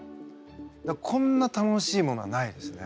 こんな楽しいものはないですね。